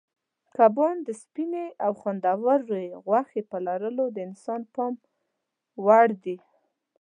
کبان د سپینې او خوندورې غوښې په لرلو د انسان پام وړ دي.